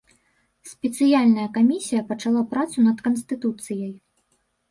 Спецыяльная камісія пачала працу над канстытуцыяй.